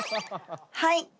はい。